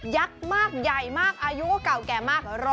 ักษ์มากใหญ่มากอายุก็เก่าแก่มาก